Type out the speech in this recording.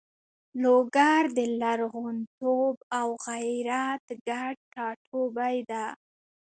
لوګر د لرغونتوب او غیرت ګډ ټاټوبی ده.